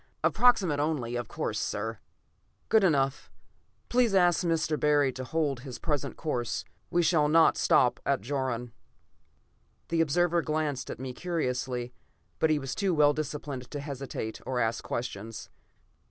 Approximate only, of course, sir." "Good enough. Please ask Mr. Barry to hold to his present course. We shall not stop at Jaron." The observer glanced at me curiously, but he was too well disciplined to hesitate or ask questions.